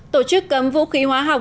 tổ chức cấm vũ khí hóa học